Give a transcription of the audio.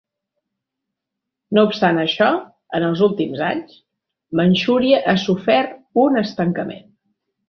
No obstant això, en els últims anys, Manxúria ha sofert un estancament.